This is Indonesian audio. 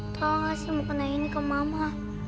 tolong kasih mukena ini ke mama